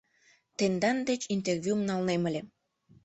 — Тендан деч интервьюм налнем ыле.